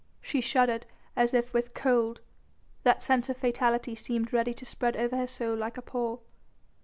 She shuddered as if with cold, that sense of fatality seemed ready to spread over her soul like a pall.